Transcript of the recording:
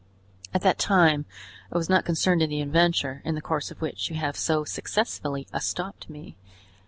At that time I was not concerned in the adventure, in the course of which you have so successfully estopped me!